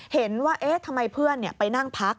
เห็นว่าเอ๊ะทำไมเพื่อนไปนั่งพัก